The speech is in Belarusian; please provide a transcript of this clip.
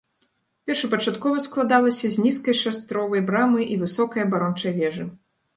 Першапачаткова складалася з нізкай шатровай брамы і высокай абарончай вежы.